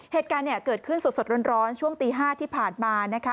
เหตุการณ์เกิดขึ้นสดร้อนช่วงตี๕ที่ผ่านมานะคะ